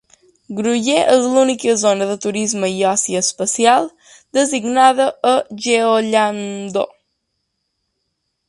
Gurye és l'única zona de turisme i oci especial designada a Jeollanam-do.